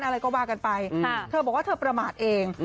อะไรก็ว่ากันไปเธอบอกว่าเธอประมาทเอง